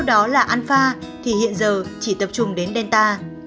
đó là alpha thì hiện giờ chỉ tập trung đến delta